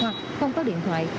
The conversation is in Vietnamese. hoặc không có điện thoại